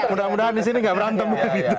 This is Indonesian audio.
mudah mudahan di sini enggak berantem